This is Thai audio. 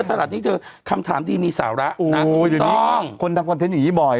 คนทำคอนเทนต์อย่างนี้บ่อย